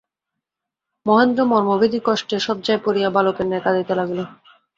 মহেন্দ্র মর্মভেদী কষ্টে শয্যায় পড়িয়া বালকের ন্যায় কাঁদিতে লাগিল।